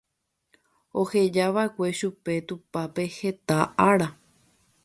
ohejava'ekue chupe tupápe heta ára